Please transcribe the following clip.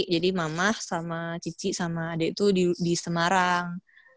jadi mama sama cici sama ade tuh di semarang